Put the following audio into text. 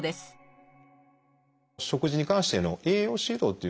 食事に関しての栄養指導というもの。